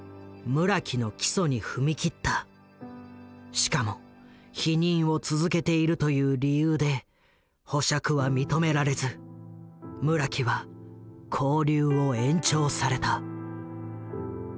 しかも否認を続けているという理由で保釈は認められず村木は勾留を延長された。